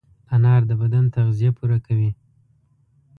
انار د بدن تغذیه پوره کوي.